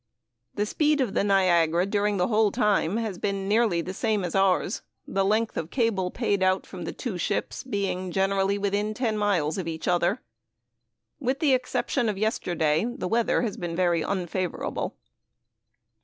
The speed of the Niagara during the whole time has been nearly the same as ours, the length of cable paid out from the two ships being generally within ten miles of each other. With the exception of yesterday, the weather has been very unfavorable.